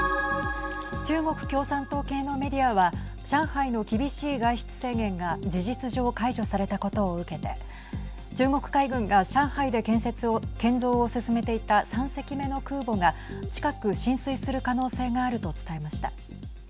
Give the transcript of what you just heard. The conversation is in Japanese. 中国共産党系のメディアは上海の厳しい外出制限が事実上解除されたことを受けて中国海軍が上海で建造を進めていた３隻目の空母が近く進水する可能性があると伝えました。